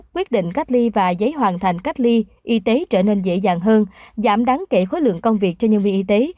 quyết định cách ly và giấy hoàn thành cách ly y tế trở nên dễ dàng hơn giảm đáng kể khối lượng công việc cho nhân viên y tế